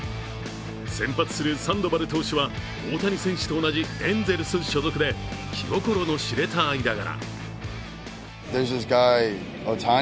先発するサンドバル投手は大谷選手と同じエンゼルス所属で気心の知れた間柄。